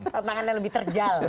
tantangannya lebih terjal